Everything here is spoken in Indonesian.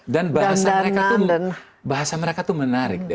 dan bahasa mereka tuh menarik